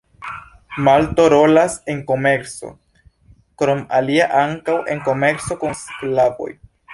Malto rolas en komerco, krom alia ankaŭ en komerco kun sklavoj.